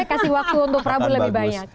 saya kasih waktu untuk perabot lebih banyak